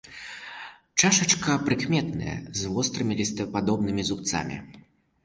Чашачка прыкметная, з вострымі лістападобнымі зубцамі.